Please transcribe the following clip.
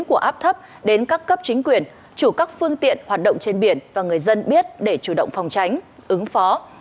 của áp thấp đến các cấp chính quyền chủ các phương tiện hoạt động trên biển và người dân biết để chủ động phòng tránh ứng phó